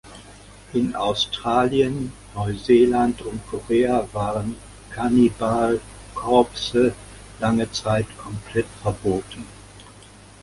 In Australien, Neuseeland und Korea waren Cannibal Corpse lange Zeit komplett verboten.